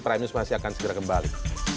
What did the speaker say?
prime news masih akan segera kembali